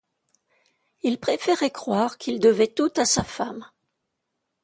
Il préférait croire qu'il devait tout à sa femme.